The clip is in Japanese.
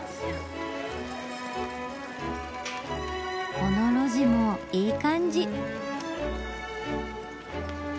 この路地もいい感じ。